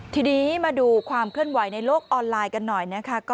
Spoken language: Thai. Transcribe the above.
ทีนี้มาดูความเคลื่อนไหวในโลกออนไลน์กันหน่อยนะคะ